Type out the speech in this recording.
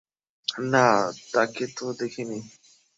না, তাকে তো দেখিনি!